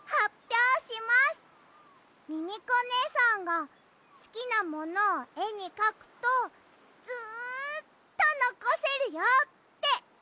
ミミコねえさんがすきなものをえにかくとずっとのこせるよっておしえてくれたの。